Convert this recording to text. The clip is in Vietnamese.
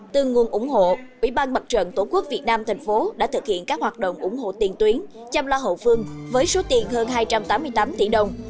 từ nguồn ủng hộ ủy ban mặt trận tổ quốc việt nam thành phố đã thực hiện các hoạt động ủng hộ tiền tuyến chăm lo hậu phương với số tiền hơn hai trăm tám mươi tám tỷ đồng